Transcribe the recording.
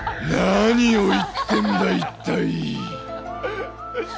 何を言ってんだ、一体。